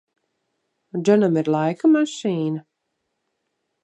Džonam ir laika mašīna?